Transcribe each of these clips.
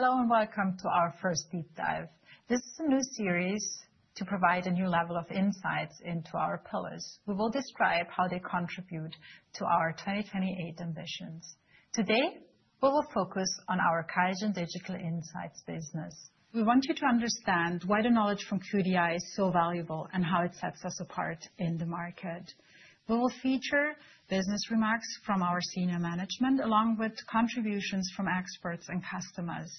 Hello and welcome to our first deep dive. This is a new series to provide a new level of insights into our pillars. We will describe how they contribute to our 2028 ambitions. Today, we will focus on our QIAGEN Digital Insights business. We want you to understand why the knowledge from QDI is so valuable and how it sets us apart in the market. We will feature business remarks from our senior management, along with contributions from experts and customers.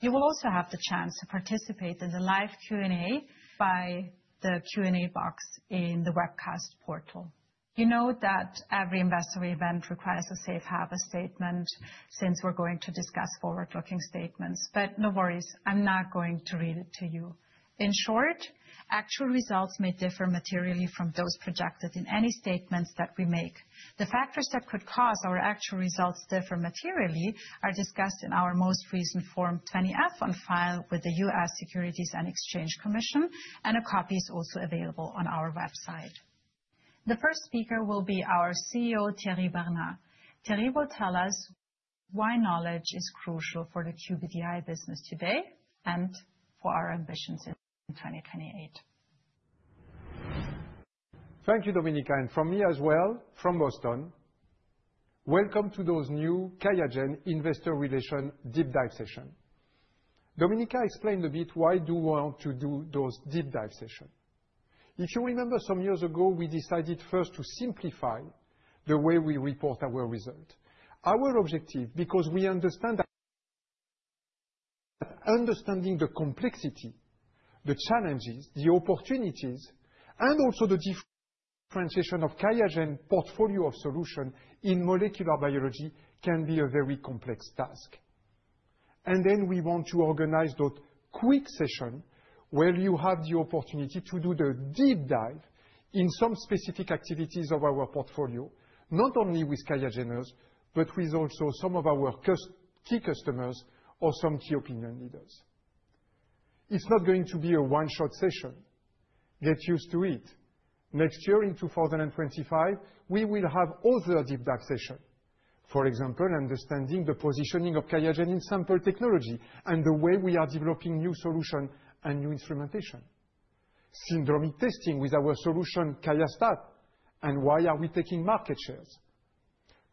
You will also have the chance to participate in the live Q&A by the Q&A box in the webcast portal. You know that every investor event requires a safe harbor statement since we're going to discuss forward-looking statements, but no worries, I'm not going to read it to you. In short, actual results may differ materially from those projected in any statements that we make. The factors that could cause our actual results to differ materially are discussed in our most recent Form 20-F on file with the U.S. Securities and Exchange Commission, and a copy is also available on our website. The first speaker will be our CEO, Thierry Bernard. Thierry will tell us why knowledge is crucial for the QDI business today and for our ambitions in 2028. Thank you, Domenica, and from me as well, from Boston. Welcome to those new QIAGEN Investor Relations Deep Dive Session. Domenica explained a bit why do we want to do those deep dive sessions. If you remember, some years ago, we decided first to simplify the way we report our results. Our objective, because we understand that understanding the complexity, the challenges, the opportunities, and also the differentiation of QIAGEN portfolio of solutions in molecular biology can be a very complex task. And then we want to organize those quick sessions where you have the opportunity to do the deep dive in some specific activities of our portfolio, not only with QIAGENers, but with also some of our key customers or some key opinion leaders. It's not going to be a one-shot session. Get used to it. Next year, in 2025, we will have other deep dive sessions. For example, understanding the positioning of QIAGEN in sample technology and the way we are developing new solutions and new instrumentation. Syndromic testing with our solution, QIAstat, and why are we taking market shares.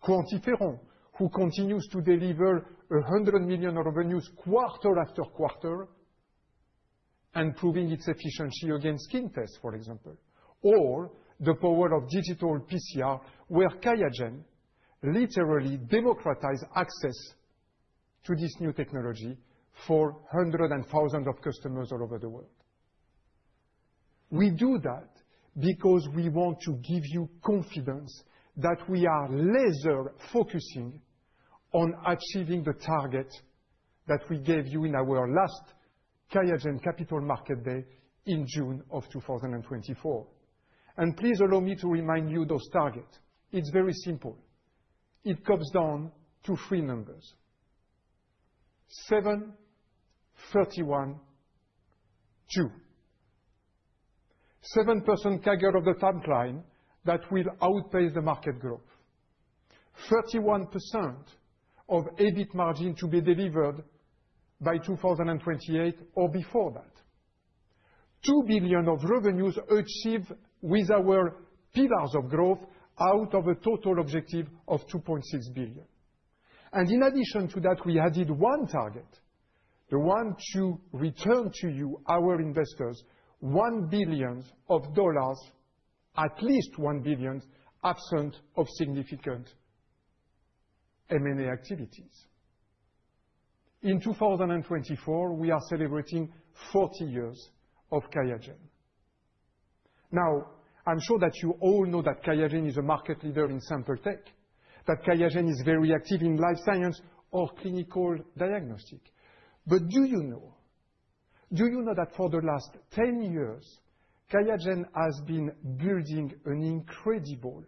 QuantiFERON, who continues to deliver $100 million revenues quarter-after-quarter and proving its efficiency against skin tests, for example. Or the power of digital PCR, where QIAGEN literally democratizes access to this new technology for hundreds and thousands of customers all over the world. We do that because we want to give you confidence that we are laser-focusing on achieving the target that we gave you in our last QIAGEN Capital Market Day in June of 2024. Please allow me to remind you of those targets. It's very simple. It comes down to three numbers: 7, 31, 2. 7% target of the top line that will outpace the market growth. 31% of EBIT margin to be delivered by 2028 or before that. $2 billion of revenues achieved with our pillars of growth out of a total objective of $2.6 billion, and in addition to that, we added one target, the one to return to you, our investors, $1 billion of dollars, at least $1 billion, absent of significant M&A activities. In 2024, we are celebrating 40 years of QIAGEN. Now, I'm sure that you all know that QIAGEN is a market leader in sample tech, that QIAGEN is very active in life science or clinical diagnostic. But do you know, do you know that for the last 10 years, QIAGEN has been building an incredible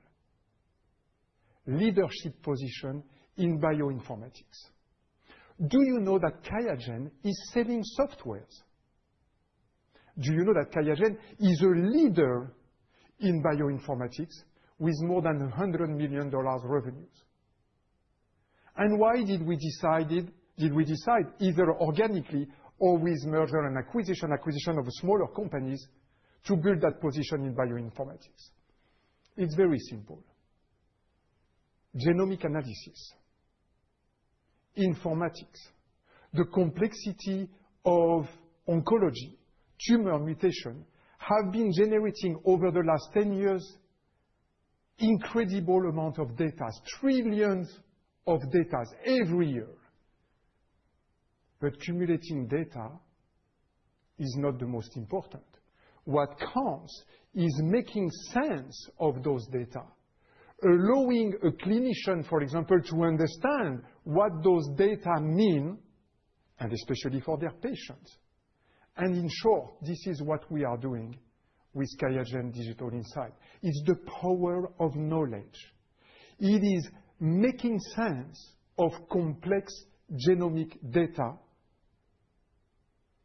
leadership position in bioinformatics? Do you know that QIAGEN is selling software? Do you know that QIAGEN is a leader in bioinformatics with more than $100 million revenues? Why did we decide, either organically or with merger and acquisition of smaller companies, to build that position in bioinformatics? It's very simple. Genomic analysis, informatics, the complexity of oncology, tumor mutation have been generating over the last 10 years incredible amounts of data, trillions of data every year. But accumulating data is not the most important. What counts is making sense of those data, allowing a clinician, for example, to understand what those data mean, and especially for their patients. In short, this is what we are doing with QIAGEN Digital Insights. It's the power of knowledge. It is making sense of complex genomic data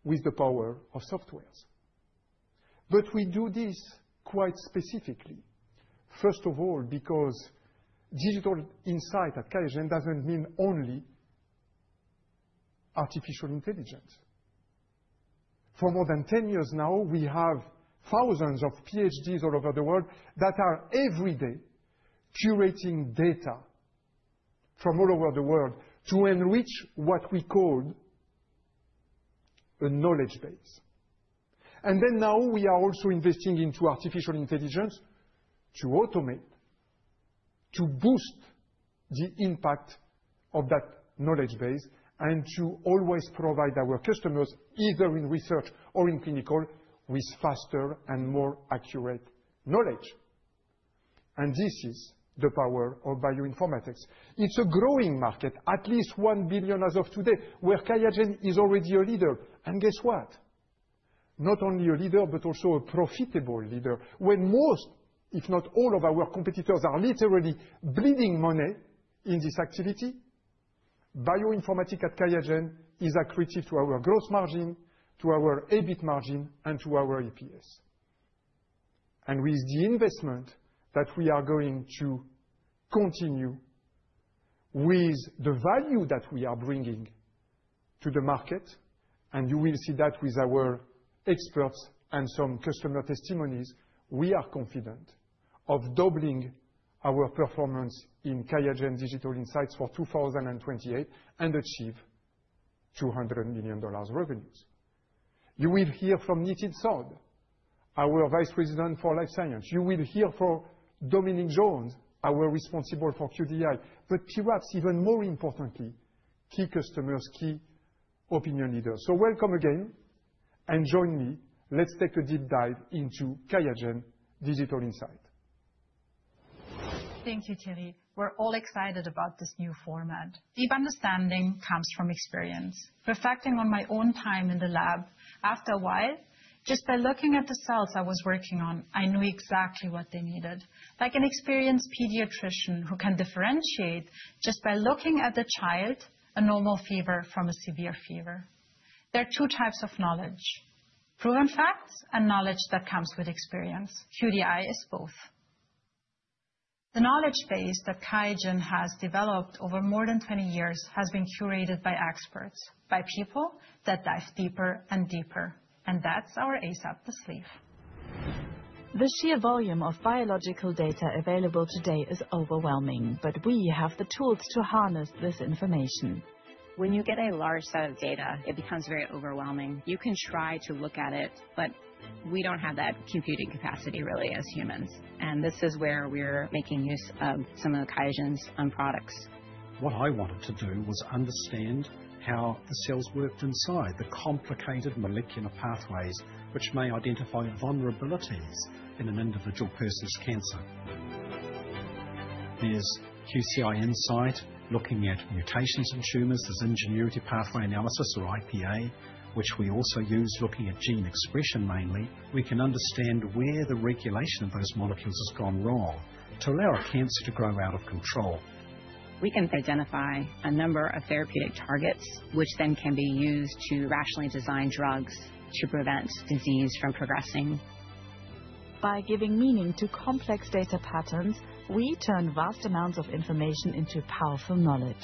with the power of software. But we do this quite specifically. First of all, because Digital Insights at QIAGEN doesn't mean only artificial intelligence. For more than 10 years now, we have thousands of PhDs all over the world that are every day curating data from all over the world to enrich what we call a knowledge base. And then now we are also investing into artificial intelligence to automate, to boost the impact of that knowledge base, and to always provide our customers, either in research or in clinical, with faster and more accurate knowledge. And this is the power of bioinformatics. It's a growing market, at least $1 billion as of today, where QIAGEN is already a leader. And guess what? Not only a leader, but also a profitable leader. When most, if not all of our competitors are literally bleeding money in this activity, bioinformatics at QIAGEN is accretive to our gross margin, to our EBIT margin, and to our EPS. With the investment that we are going to continue with the value that we are bringing to the market, and you will see that with our experts and some customer testimonies, we are confident of doubling our performance in QIAGEN Digital Insights for 2028 and achieve $200 million revenues. You will hear from Nitin Sood, our Vice President for Life Sciences. You will hear from Dominic John, our responsible for QDI, but perhaps even more importantly, key customers, key opinion leaders. Welcome again, and join me. Let's take a deep dive into QIAGEN Digital Insights. Thank you, Thierry. We're all excited about this new format. Deep understanding comes from experience. Reflecting on my own time in the lab, after a while, just by looking at the cells I was working on, I knew exactly what they needed. Like an experienced pediatrician who can differentiate just by looking at the child, a normal fever from a severe fever. There are two types of knowledge: proven facts and knowledge that comes with experience. QDI is both. The knowledge base that QIAGEN has developed over more than 20 years has been curated by experts, by people that dive deeper and deeper, and that's our Sample to Insight. The sheer volume of biological data available today is overwhelming, but we have the tools to harness this information. When you get a large set of data, it becomes very overwhelming. You can try to look at it, but we don't have that computing capacity really as humans, and this is where we're making use of some of QIAGEN's products. What I wanted to do was understand how the cells worked inside the complicated molecular pathways, which may identify vulnerabilities in an individual person's cancer. There's QCI Insight looking at mutations in tumors. There's Ingenuity Pathway Analysis, or IPA, which we also use looking at gene expression mainly. We can understand where the regulation of those molecules has gone wrong to allow a cancer to grow out of control. We can identify a number of therapeutic targets, which then can be used to rationally design drugs to prevent disease from progressing. By giving meaning to complex data patterns, we turn vast amounts of information into powerful knowledge,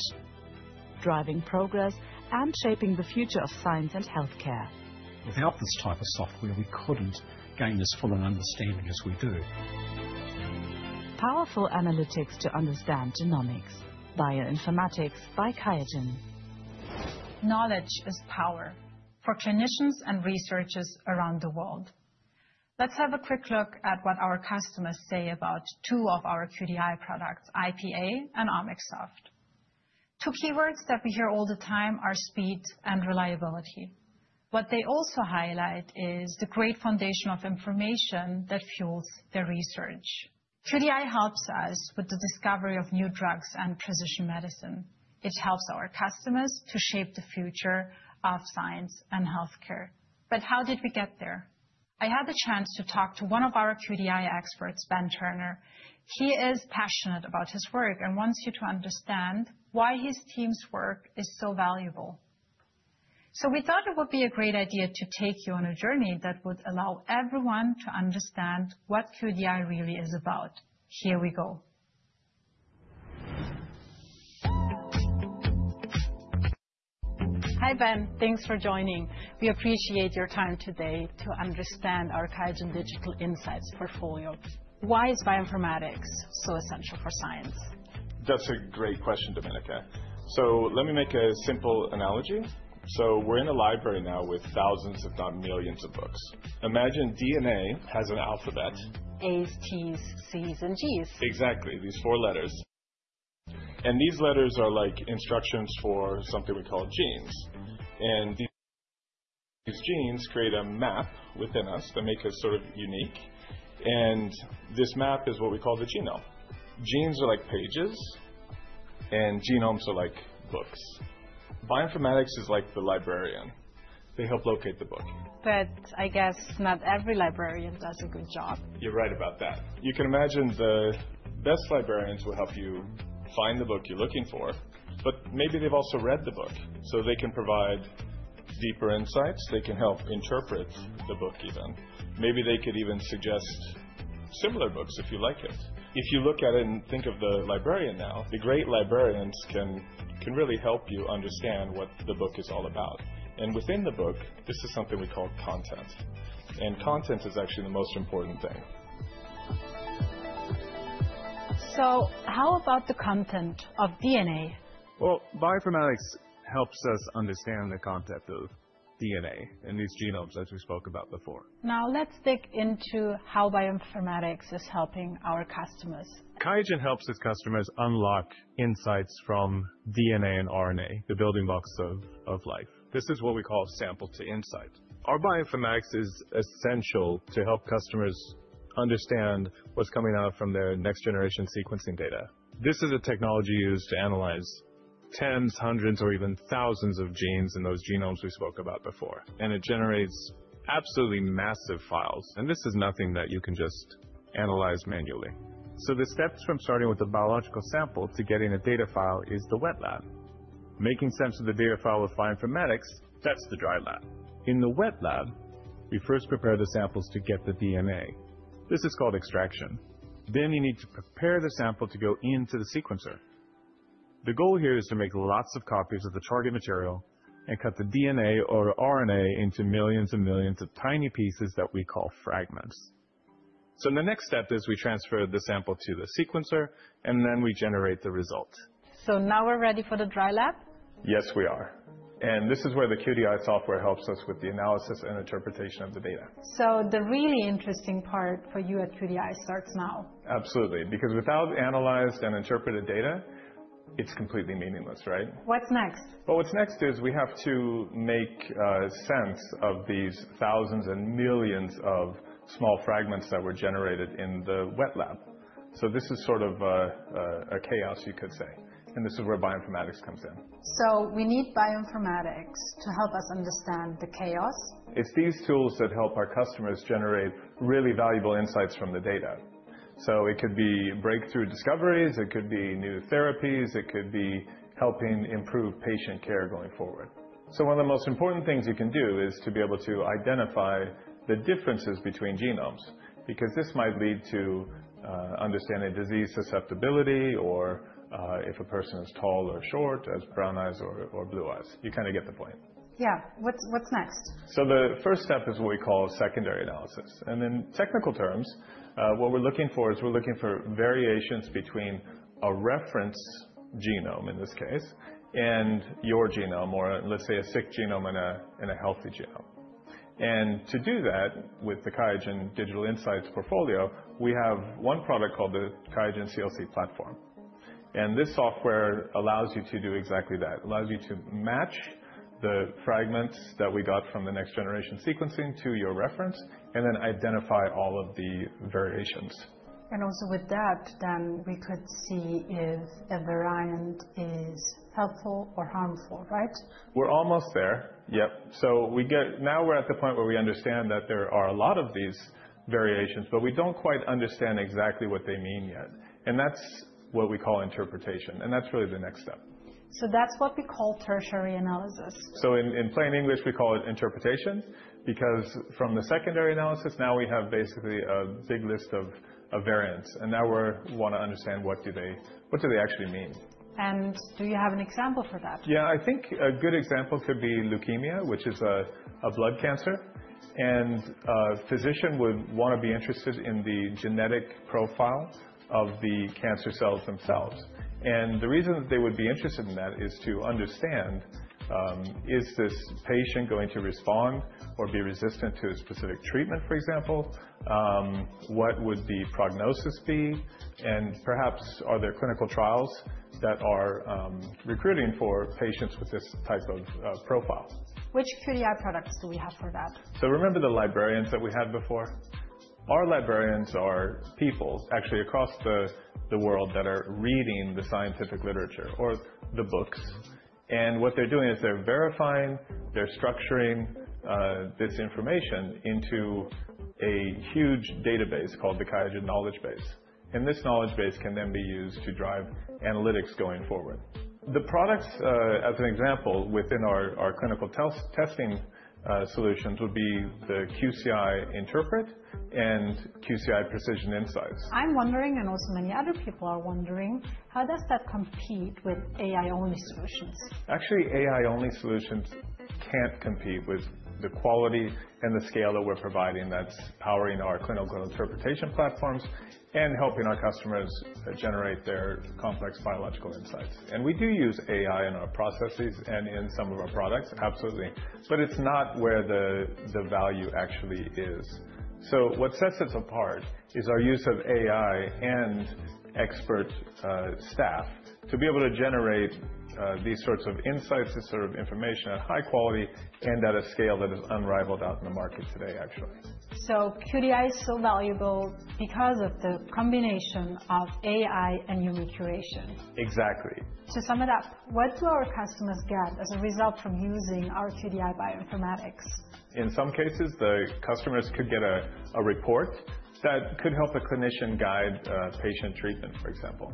driving progress and shaping the future of science and healthcare. Without this type of software, we couldn't gain as full an understanding as we do. Powerful analytics to understand genomics. Bioinformatics by QIAGEN. Knowledge is power for clinicians and researchers around the world. Let's have a quick look at what our customers say about two of our QDI products, IPA and OmicSoft. Two keywords that we hear all the time are speed and reliability. What they also highlight is the great foundation of information that fuels their research. QDI helps us with the discovery of new drugs and precision medicine. It helps our customers to shape the future of science and healthcare. But how did we get there? I had the chance to talk to one of our QDI experts, Ben Turner. He is passionate about his work and wants you to understand why his team's work is so valuable. So we thought it would be a great idea to take you on a journey that would allow everyone to understand what QDI really is about. Here we go. Hi, Ben. Thanks for joining. We appreciate your time today to understand our QIAGEN Digital Insights portfolio. Why is bioinformatics so essential for science? That's a great question, Domenica. So let me make a simple analogy. So we're in a library now with thousands, if not millions, of books. Imagine DNA has an alphabet. A's, T's, C's, and G's. Exactly. These four letters are like instructions for something we call genes. These genes create a map within us that makes us sort of unique. This map is what we call the genome. Genes are like pages, and genomes are like books. Bioinformatics is like the librarian. They help locate the book. But I guess not every librarian does a good job. You're right about that. You can imagine the best librarians will help you find the book you're looking for, but maybe they've also read the book. So they can provide deeper insights. They can help interpret the book even. Maybe they could even suggest similar books if you like it. If you look at it and think of the librarian now, the great librarians can really help you understand what the book is all about. And within the book, this is something we call content. And content is actually the most important thing. How about the content of DNA? Bioinformatics helps us understand the content of DNA and these genomes, as we spoke about before. Now let's dig into how bioinformatics is helping our customers. QIAGEN helps its customers unlock insights from DNA and RNA, the building blocks of life. This is what we call Sample to Insight. Our bioinformatics is essential to help customers understand what's coming out from their next-generation sequencing data. This is a technology used to analyze tens, hundreds, or even thousands of genes in those genomes we spoke about before. And it generates absolutely massive files. And this is nothing that you can just analyze manually. So the steps from starting with the biological sample to getting a data file is the wet lab. Making sense of the data file with bioinformatics, that's the dry lab. In the wet lab, we first prepare the samples to get the DNA. This is called extraction. Then you need to prepare the sample to go into the sequencer. The goal here is to make lots of copies of the target material and cut the DNA or RNA into millions and millions of tiny pieces that we call fragments. So the next step is we transfer the sample to the sequencer, and then we generate the result. So now we're ready for the dry lab? Yes, we are. And this is where the QDI software helps us with the analysis and interpretation of the data. So the really interesting part for you at QDI starts now. Absolutely. Because without analyzed and interpreted data, it's completely meaningless, right? What's next? What's next is we have to make sense of these thousands and millions of small fragments that were generated in the wet lab. This is sort of a chaos, you could say. This is where bioinformatics comes in. We need bioinformatics to help us understand the chaos. It's these tools that help our customers generate really valuable insights from the data, so it could be breakthrough discoveries. It could be new therapies. It could be helping improve patient care going forward, so one of the most important things you can do is to be able to identify the differences between genomes, because this might lead to understanding disease susceptibility or if a person is tall or short, has brown eyes or blue eyes. You kind of get the point. Yeah. What's next? The first step is what we call secondary analysis. In technical terms, what we're looking for is variations between a reference genome, in this case, and your genome, or let's say a sick genome and a healthy genome. To do that with the QIAGEN Digital Insights portfolio, we have one product called the QIAGEN CLC Platform. This software allows you to do exactly that. It allows you to match the fragments that we got from the next-generation sequencing to your reference and then identify all of the variations. Also with that, then we could see if a variant is helpful or harmful, right? We're almost there. Yep, so now we're at the point where we understand that there are a lot of these variations, but we don't quite understand exactly what they mean yet, and that's what we call interpretation, and that's really the next step. That's what we call tertiary analysis. In plain English, we call it interpretation, because from the secondary analysis, now we have basically a big list of variants. Now we want to understand what do they actually mean. Do you have an example for that? Yeah, I think a good example could be leukemia, which is a blood cancer. A physician would want to be interested in the genetic profile of the cancer cells themselves. The reason that they would be interested in that is to understand, is this patient going to respond or be resistant to a specific treatment, for example? What would the prognosis be? Perhaps are there clinical trials that are recruiting for patients with this type of profile? Which QDI products do we have for that? So remember the librarians that we had before? Our librarians are people actually across the world that are reading the scientific literature or the books. And what they're doing is they're verifying, they're structuring this information into a huge database called the QIAGEN Knowledge Base. And this knowledge base can then be used to drive analytics going forward. The products, as an example, within our clinical testing solutions would be the QCI Interpret and QCI Precision Insights. I'm wondering, and also many other people are wondering, how does that compete with AI-only solutions? Actually, AI-only solutions can't compete with the quality and the scale that we're providing that's powering our clinical interpretation platforms and helping our customers generate their complex biological insights. And we do use AI in our processes and in some of our products, absolutely. But it's not where the value actually is. So what sets us apart is our use of AI and expert staff to be able to generate these sorts of insights and sort of information at high quality and at a scale that is unrivaled out in the market today, actually. So QDI is so valuable because of the combination of AI and human curation. Exactly. To sum it up, what do our customers get as a result from using our QDI bioinformatics? In some cases, the customers could get a report that could help a clinician guide patient treatment, for example,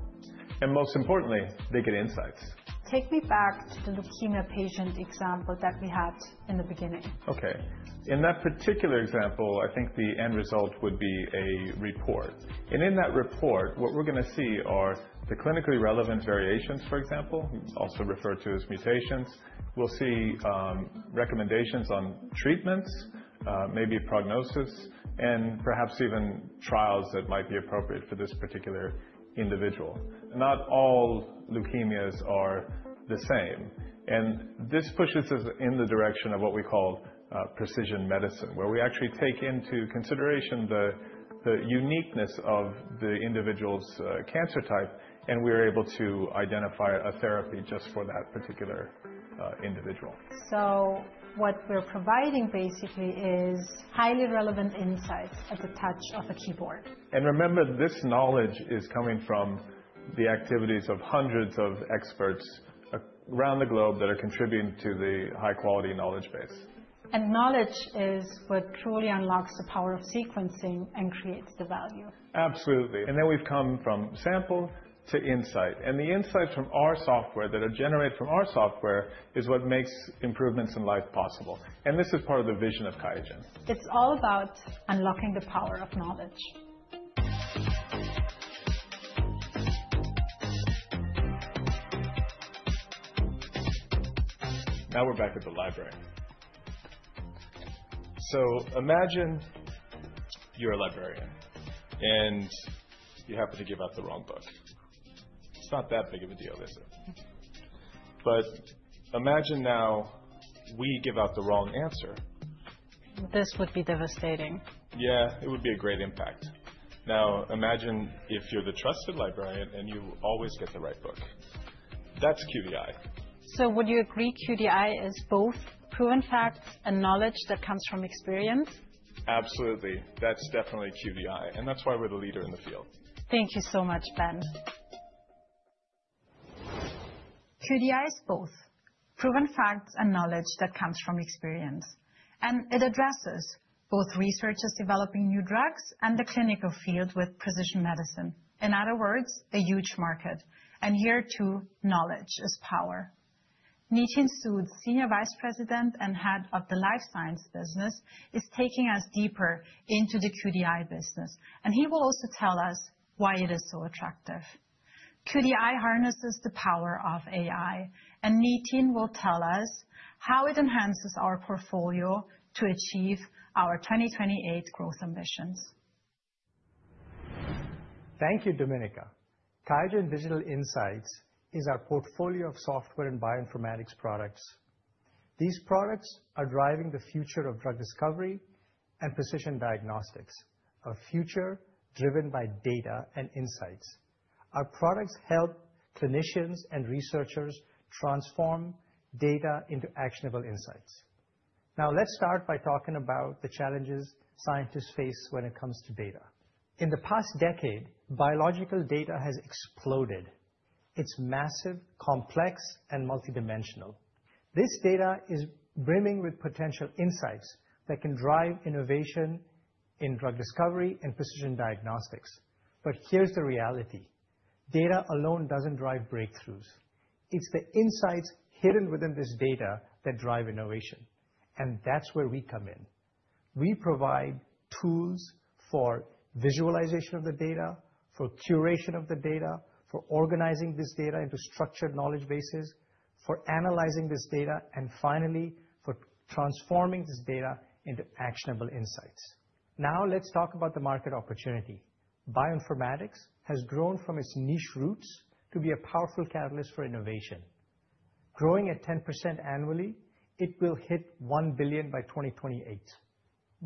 and most importantly, they get insights. Take me back to the leukemia patient example that we had in the beginning. Okay. In that particular example, I think the end result would be a report, and in that report, what we're going to see are the clinically relevant variations, for example, also referred to as mutations. We'll see recommendations on treatments, maybe prognosis, and perhaps even trials that might be appropriate for this particular individual. Not all leukemias are the same, and this pushes us in the direction of what we call precision medicine, where we actually take into consideration the uniqueness of the individual's cancer type, and we are able to identify a therapy just for that particular individual. What we're providing basically is highly relevant insights at the touch of a keyboard. Remember, this knowledge is coming from the activities of hundreds of experts around the globe that are contributing to the high-quality knowledge base. Knowledge is what truly unlocks the power of sequencing and creates the value. Absolutely. And then we've come from sample to insight. And the insights from our software that are generated from our software is what makes improvements in life possible. And this is part of the vision of QIAGEN. It's all about unlocking the power of knowledge. Now we're back at the library, so imagine you're a librarian and you happen to give out the wrong book. It's not that big of a deal, is it? But imagine now we give out the wrong answer. This would be devastating. Yeah, it would be a great impact. Now imagine if you're the trusted librarian and you always get the right book. That's QDI. Would you agree QDI is both proven facts and knowledge that comes from experience? Absolutely. That's definitely QDI. And that's why we're the leader in the field. Thank you so much, Ben. QDI is both proven facts and knowledge that comes from experience, and it addresses both researchers developing new drugs and the clinical field with precision medicine. In other words, a huge market, and here too, knowledge is power. Nitin Sood, Senior Vice President and Head of the Life Science Business, is taking us deeper into the QDI business, and he will also tell us why it is so attractive. QDI harnesses the power of AI, and Nitin will tell us how it enhances our portfolio to achieve our 2028 growth ambitions. Thank you, Domenica. QIAGEN Digital Insights is our portfolio of software and bioinformatics products. These products are driving the future of drug discovery and precision diagnostics, a future driven by data and insights. Our products help clinicians and researchers transform data into actionable insights. Now let's start by talking about the challenges scientists face when it comes to data. In the past decade, biological data has exploded. It's massive, complex, and multidimensional. This data is brimming with potential insights that can drive innovation in drug discovery and precision diagnostics. But here's the reality. Data alone doesn't drive breakthroughs. It's the insights hidden within this data that drive innovation. And that's where we come in. We provide tools for visualization of the data, for curation of the data, for organizing this data into structured knowledge bases, for analyzing this data, and finally, for transforming this data into actionable insights. Now let's talk about the market opportunity. Bioinformatics has grown from its niche roots to be a powerful catalyst for innovation. Growing at 10% annually, it will hit $1 billion by 2028.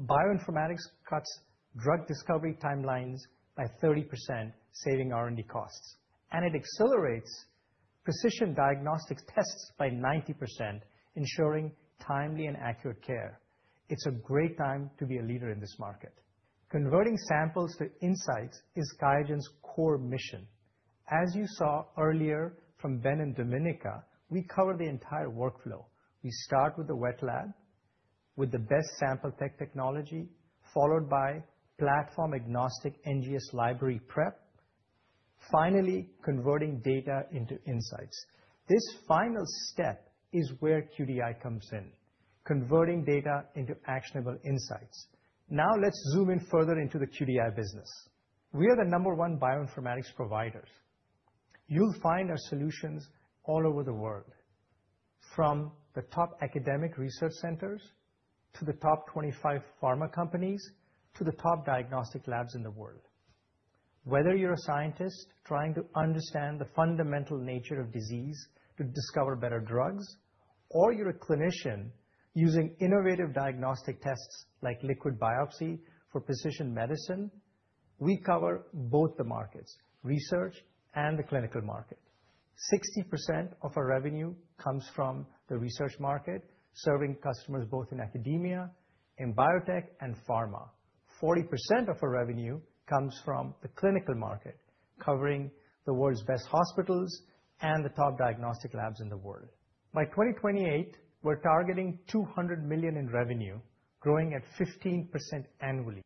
Bioinformatics cuts drug discovery timelines by 30%, saving R&D costs. And it accelerates precision diagnostics tests by 90%, ensuring timely and accurate care. It's a great time to be a leader in this market. Converting samples to insights is QIAGEN's core mission. As you saw earlier from Ben and Domenica, we cover the entire workflow. We start with the wet lab with the best sample technology, followed by platform-agnostic NGS library prep, finally converting data into insights. This final step is where QDI comes in, converting data into actionable insights. Now let's zoom in further into the QDI business. We are the number one bioinformatics providers. You'll find our solutions all over the world, from the top academic research centers to the top 25 pharma companies to the top diagnostic labs in the world. Whether you're a scientist trying to understand the fundamental nature of disease to discover better drugs, or you're a clinician using innovative diagnostic tests like liquid biopsy for precision medicine, we cover both the markets, research and the clinical market. 60% of our revenue comes from the research market, serving customers both in academia, in biotech, and pharma. 40% of our revenue comes from the clinical market, covering the world's best hospitals and the top diagnostic labs in the world. By 2028, we're targeting $200 million in revenue, growing at 15% annually.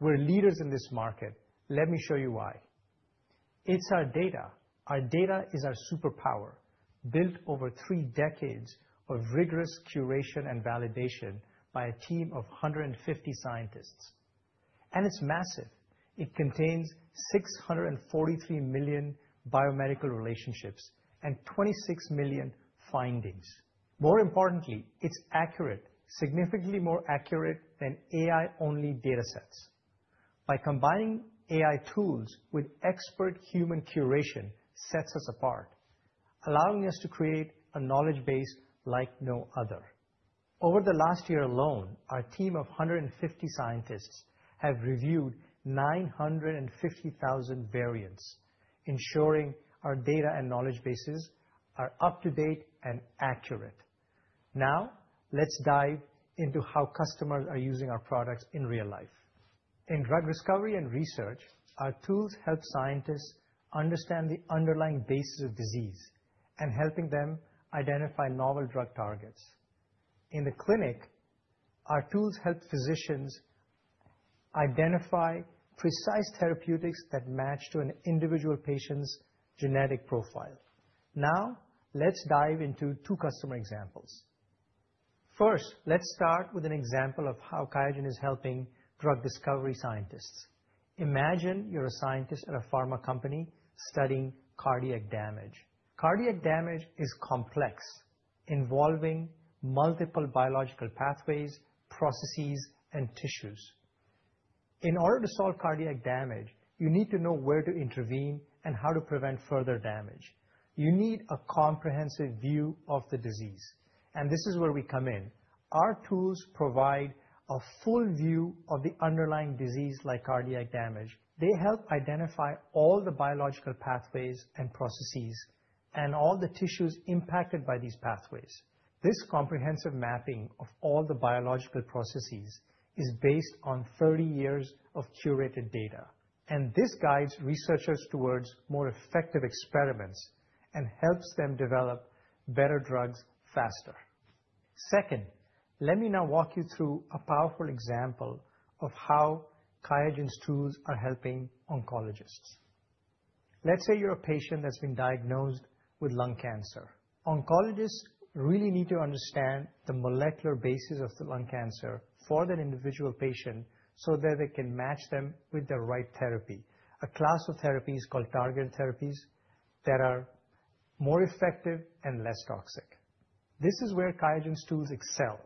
We're leaders in this market. Let me show you why. It's our data. Our data is our superpower, built over three decades of rigorous curation and validation by a team of 150 scientists. And it's massive, it contains 643 million biomedical relationships and 26 million findings. More importantly, it's accurate, significantly more accurate than AI-only data sets. By combining AI tools with expert human curation, it sets us apart, allowing us to create a knowledge base like no other. Over the last year alone, our team of 150 scientists has reviewed 950,000 variants, ensuring our data and knowledge bases are up to date and accurate. Now let's dive into how customers are using our products in real life. In drug discovery and research, our tools help scientists understand the underlying basis of disease and help them identify novel drug targets. In the clinic, our tools help physicians identify precise therapeutics that match to an individual patient's genetic profile. Now let's dive into two customer examples. First, let's start with an example of how QIAGEN is helping drug discovery scientists. Imagine you're a scientist at a pharma company studying cardiac damage. Cardiac damage is complex, involving multiple biological pathways, processes, and tissues. In order to solve cardiac damage, you need to know where to intervene and how to prevent further damage. You need a comprehensive view of the disease, and this is where we come in. Our tools provide a full view of the underlying disease, like cardiac damage. They help identify all the biological pathways and processes and all the tissues impacted by these pathways. This comprehensive mapping of all the biological processes is based on 30 years of curated data, and this guides researchers towards more effective experiments and helps them develop better drugs faster. Second, let me now walk you through a powerful example of how QIAGEN's tools are helping oncologists. Let's say you're a patient that's been diagnosed with lung cancer. Oncologists really need to understand the molecular basis of the lung cancer for that individual patient so that they can match them with the right therapy. A class of therapies called targeted therapies that are more effective and less toxic. This is where QIAGEN's tools excel.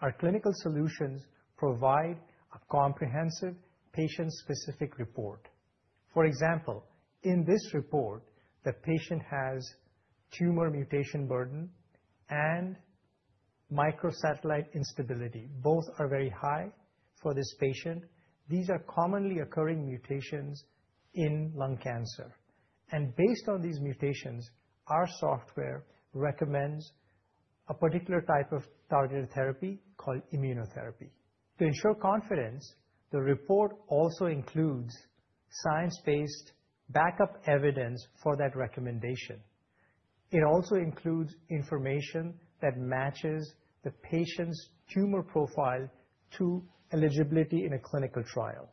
Our clinical solutions provide a comprehensive patient-specific report. For example, in this report, the patient has tumor mutation burden and microsatellite instability. Both are very high for this patient. These are commonly occurring mutations in lung cancer, and based on these mutations, our software recommends a particular type of targeted therapy called immunotherapy. To ensure confidence, the report also includes science-based backup evidence for that recommendation. It also includes information that matches the patient's tumor profile to eligibility in a clinical trial.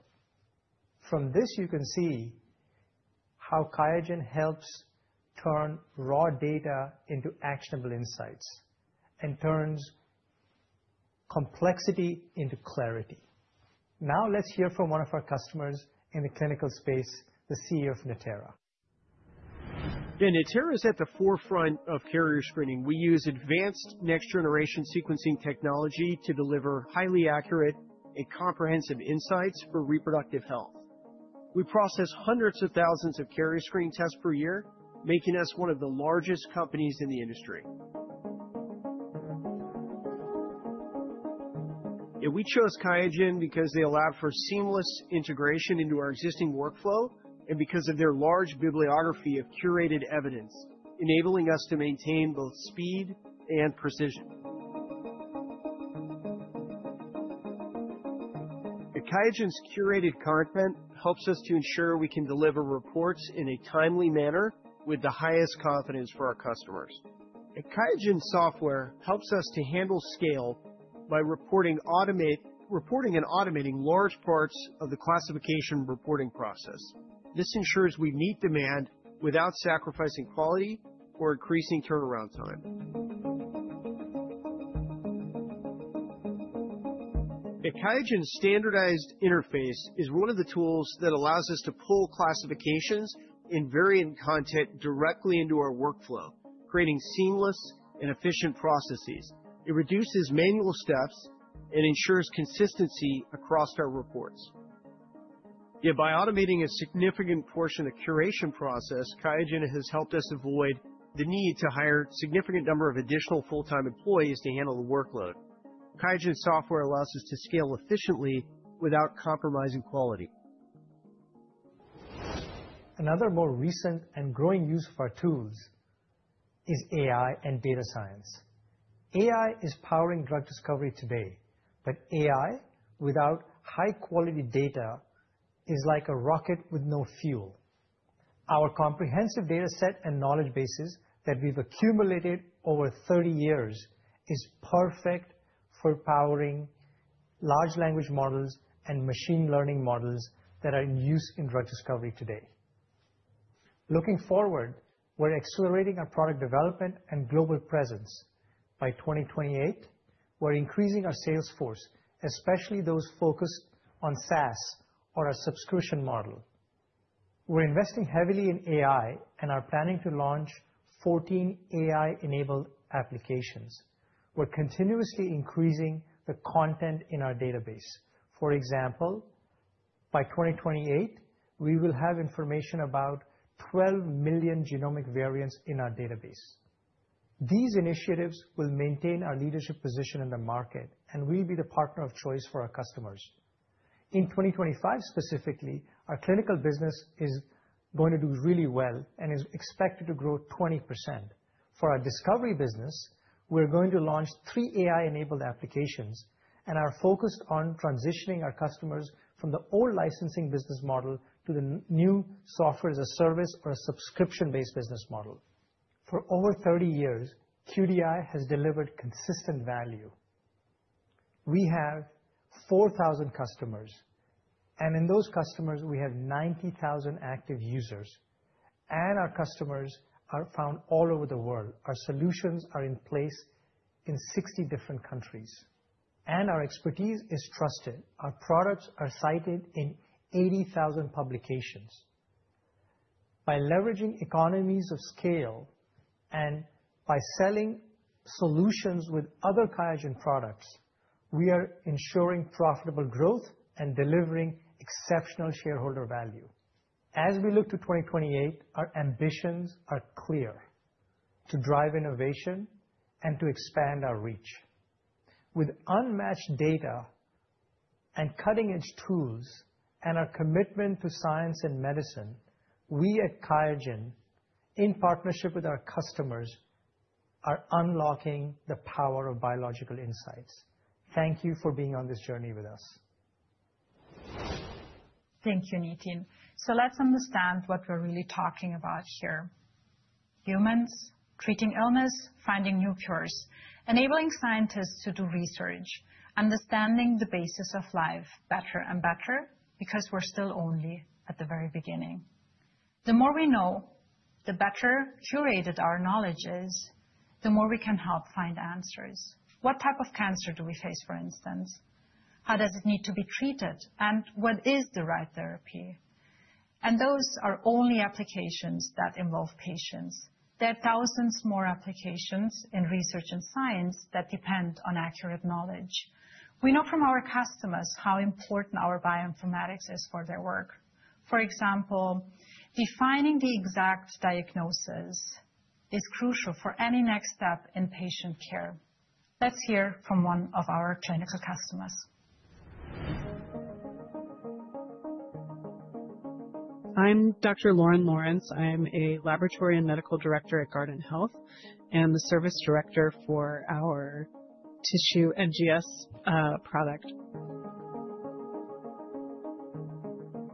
From this, you can see how QIAGEN helps turn raw data into actionable insights and turns complexity into clarity. Now let's hear from one of our customers in the clinical space, the CEO of Natera. Yeah, Natera is at the forefront of carrier screening. We use advanced next-generation sequencing technology to deliver highly accurate and comprehensive insights for reproductive health. We process hundreds of thousands of carrier screening tests per year, making us one of the largest companies in the industry, and we chose QIAGEN because they allow for seamless integration into our existing workflow and because of their large bibliography of curated evidence, enabling us to maintain both speed and precision. QIAGEN's curated content helps us to ensure we can deliver reports in a timely manner with the highest confidence for our customers. QIAGEN's software helps us to handle scale by reporting and automating large parts of the classification reporting process. This ensures we meet demand without sacrificing quality or increasing turnaround time. QIAGEN's standardized interface is one of the tools that allows us to pull classifications and variant content directly into our workflow, creating seamless and efficient processes. It reduces manual steps and ensures consistency across our reports. Yeah, by automating a significant portion of the curation process, QIAGEN has helped us avoid the need to hire a significant number of additional full-time employees to handle the workload. QIAGEN's software allows us to scale efficiently without compromising quality. Another more recent and growing use of our tools is AI and data science. AI is powering drug discovery today. But AI without high-quality data is like a rocket with no fuel. Our comprehensive data set and knowledge bases that we've accumulated over 30 years is perfect for powering large language models and machine learning models that are in use in drug discovery today. Looking forward, we're accelerating our product development and global presence. By 2028, we're increasing our sales force, especially those focused on SaaS or our subscription model. We're investing heavily in AI and are planning to launch 14 AI-enabled applications. We're continuously increasing the content in our database. For example, by 2028, we will have information about 12 million genomic variants in our database. These initiatives will maintain our leadership position in the market and we'll be the partner of choice for our customers. In 2025, specifically, our clinical business is going to do really well and is expected to grow 20%. For our discovery business, we're going to launch three AI-enabled applications. And our focus is on transitioning our customers from the old licensing business model to the new software as a service or a subscription-based business model. For over 30 years, QDI has delivered consistent value. We have 4,000 customers. And in those customers, we have 90,000 active users. And our customers are found all over the world. Our solutions are in place in 60 different countries. And our expertise is trusted. Our products are cited in 80,000 publications. By leveraging economies of scale and by selling solutions with other QIAGEN products, we are ensuring profitable growth and delivering exceptional shareholder value. As we look to 2028, our ambitions are clear: to drive innovation and to expand our reach. With unmatched data and cutting-edge tools and our commitment to science and medicine, we at QIAGEN, in partnership with our customers, are unlocking the power of biological insights. Thank you for being on this journey with us. Thank you, Nitin. So let's understand what we're really talking about here. Humans, treating illness, finding new cures, enabling scientists to do research, understanding the basis of life better and better because we're still only at the very beginning. The more we know, the better curated our knowledge is, the more we can help find answers. What type of cancer do we face, for instance? How does it need to be treated? And what is the right therapy? And those are only applications that involve patients. There are thousands more applications in research and science that depend on accurate knowledge. We know from our customers how important our bioinformatics is for their work. For example, defining the exact diagnosis is crucial for any next step in patient care. Let's hear from one of our clinical customers. I'm Dr. Lauren Lawrence. I'm a laboratory and medical director at Guardant Health and the service director for our tissue NGS product.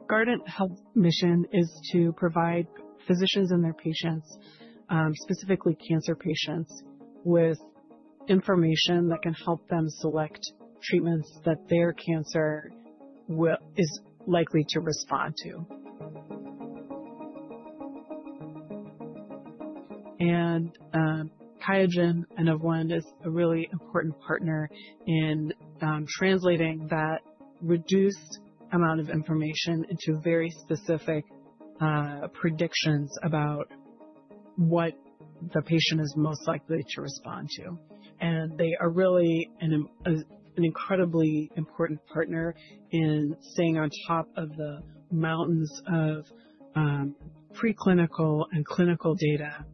Guardant Health's mission is to provide physicians and their patients, specifically cancer patients, with information that can help them select treatments that their cancer is likely to respond to, and QIAGEN, N-of-One, is a really important partner in translating that reduced amount of information into very specific predictions about what the patient is most likely to respond to, and they are really an incredibly important partner in staying on top of the mountains of preclinical and clinical data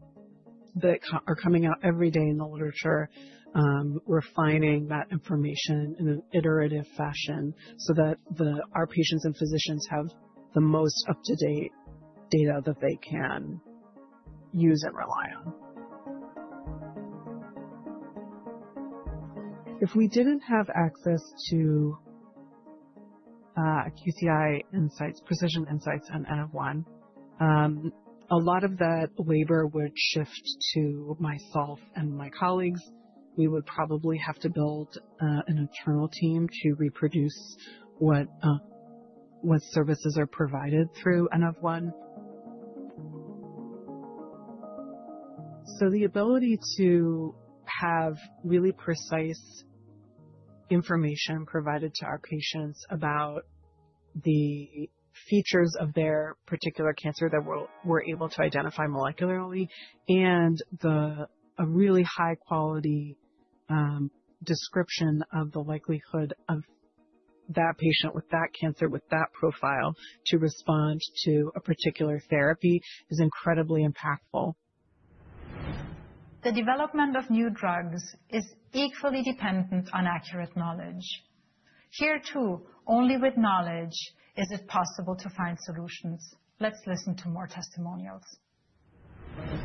that are coming out every day in the literature, refining that information in an iterative fashion so that our patients and physicians have the most up-to-date data that they can use and rely on. If we didn't have access to QCI Precision Insights, and N-of-One, a lot of that labor would shift to myself and my colleagues. We would probably have to build an internal team to reproduce what services are provided through N-of-One. So the ability to have really precise information provided to our patients about the features of their particular cancer that we're able to identify molecularly and a really high-quality description of the likelihood of that patient with that cancer with that profile to respond to a particular therapy is incredibly impactful. The development of new drugs is equally dependent on accurate knowledge. Here, too, only with knowledge is it possible to find solutions. Let's listen to more testimonials. I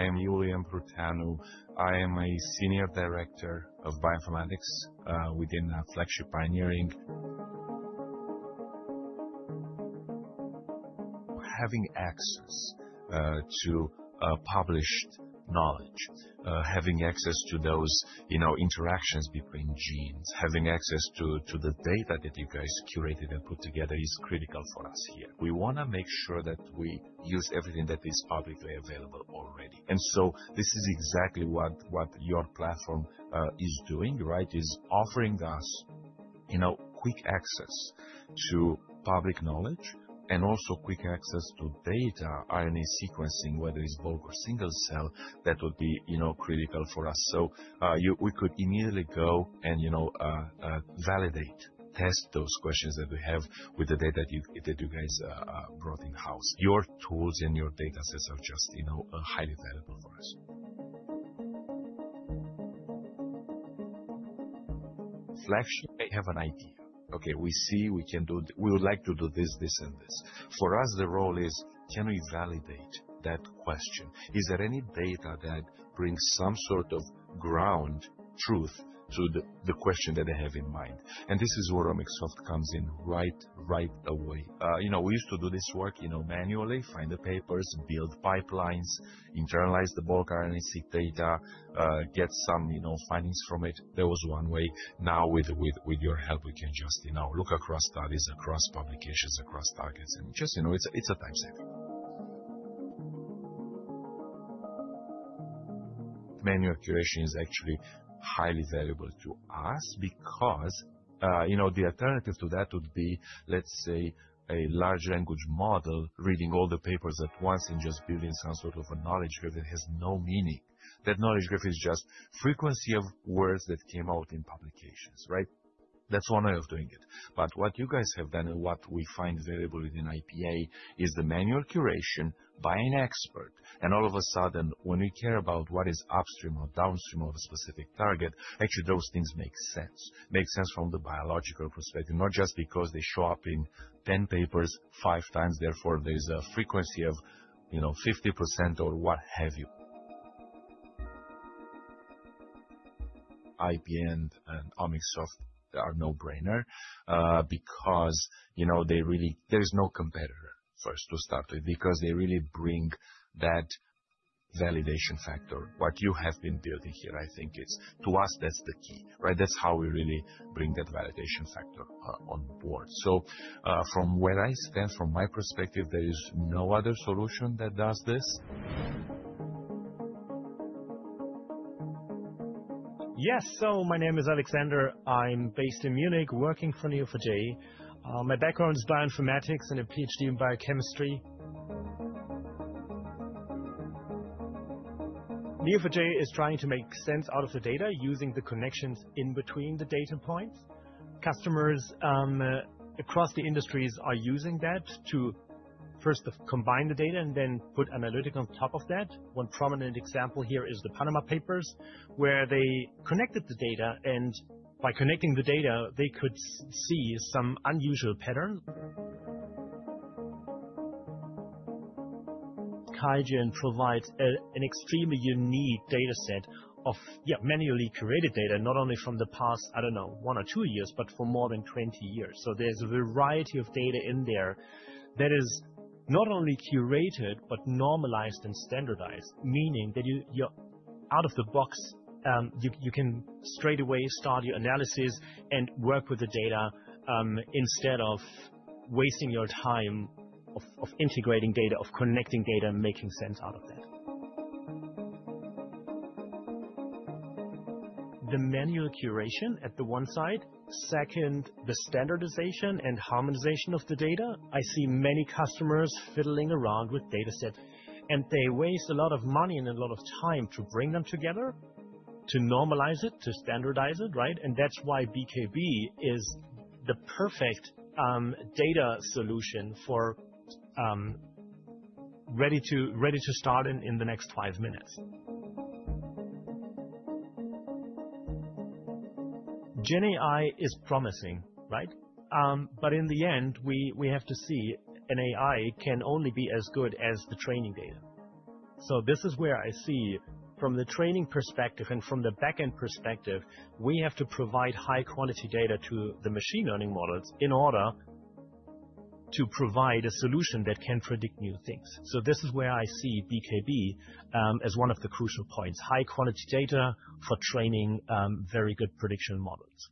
am Iulian Pruteanu. I am a Senior Director of Bioinformatics within Flagship Pioneering. Having access to published knowledge, having access to those interactions between genes, having access to the data that you guys curated and put together is critical for us here. We want to make sure that we use everything that is publicly available already. And so this is exactly what your platform is doing, right? It's offering us quick access to public knowledge and also quick access to data, RNA sequencing, whether it's bulk or single cell, that would be critical for us. So we could immediately go and validate, test those questions that we have with the data that you guys brought in-house. Your tools and your data sets are just highly valuable for us. Flagship may have an idea. Okay, we see we can do, we would like to do this, this, and this. For us, the role is, can we validate that question? Is there any data that brings some sort of ground truth to the question that I have in mind? And this is where OmicSoft comes in right away. We used to do this work manually, find the papers, build pipelines, internalize the bulk RNA-seq data, get some findings from it. That was one way. Now, with your help, we can just look across studies, across publications, across targets. And just, it's a time saver. Manual curation is actually highly valuable to us because the alternative to that would be, let's say, a large language model reading all the papers at once and just building some sort of a knowledge graph that has no meaning. That knowledge graph is just frequency of words that came out in publications, right? That's one way of doing it. What you guys have done and what we find valuable within IPA is the manual curation by an expert. All of a sudden, when we care about what is upstream or downstream of a specific target, actually those things make sense. Make sense from the biological perspective, not just because they show up in 10 papers 5x. Therefore, there is a frequency of 50% or what have you. IPA and OmicSoft are a no-brainer because there is no competitor, first to start with, because they really bring that validation factor. What you have been building here, I think it's to us, that's the key, right? That's how we really bring that validation factor on board. So from where I stand, from my perspective, there is no other solution that does this. Yes, so my name is Alexander. I'm based in Munich, working for Neo4j. My background is bioinformatics and a PhD in biochemistry. Neo4j is trying to make sense out of the data using the connections in between the data points. Customers across the industries are using that to first combine the data and then put analytics on top of that. One prominent example here is the Panama Papers, where they connected the data. And by connecting the data, they could see some unusual patterns. QIAGEN provides an extremely unique data set of manually curated data, not only from the past, I don't know, one or two years, but for more than 20 years. So there's a variety of data in there that is not only curated, but normalized and standardized, meaning that you're out of the box. You can straight away start your analysis and work with the data instead of wasting your time of integrating data, of connecting data and making sense out of that. The manual curation at the one side, second, the standardization and harmonization of the data. I see many customers fiddling around with data sets, and they waste a lot of money and a lot of time to bring them together, to normalize it, to standardize it, right? And that's why BKB is the perfect data solution for ready to start in the next five minutes. GenAI is promising, right? But in the end, we have to see an AI can only be as good as the training data. So this is where I see from the training perspective and from the backend perspective, we have to provide high-quality data to the machine learning models in order to provide a solution that can predict new things. So this is where I see BKB as one of the crucial points: high-quality data for training very good prediction models.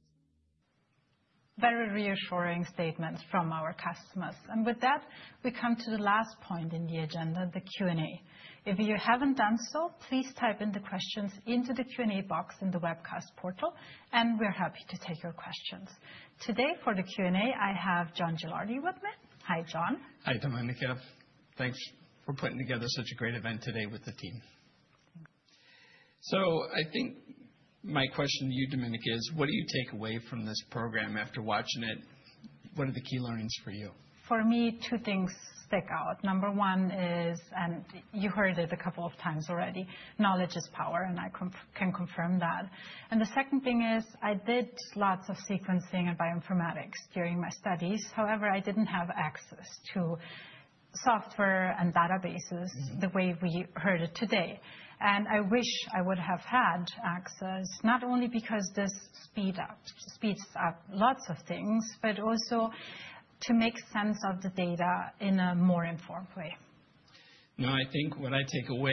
Very reassuring statements from our customers, and with that, we come to the last point in the agenda, the Q&A. If you haven't done so, please type in the questions into the Q&A box in the webcast portal, and we're happy to take your questions. Today for the Q&A, I have John Gilardi with me. Hi, John. Hi, Domenica. Thanks for putting together such a great event today with the team, so I think my question to you, Domenica, is what do you take away from this program after watching it? What are the key learnings for you? For me, two things stick out. Number one is, and you heard it a couple of times already, knowledge is power, and I can confirm that. And the second thing is I did lots of sequencing and bioinformatics during my studies. However, I didn't have access to software and databases the way we heard it today. And I wish I would have had access, not only because this speeds up lots of things, but also to make sense of the data in a more informed way. No, I think what I take away